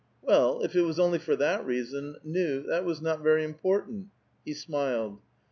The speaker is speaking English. " Well, if it was only for that reason, nu, that was not very imi)ortfint." He smiled.